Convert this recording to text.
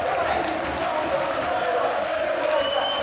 佐世保というところは来てもらいたい。